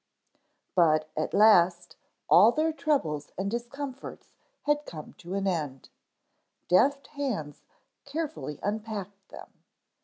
But at last all their troubles and discomforts had come to an end. Deft hands carefully unpacked them.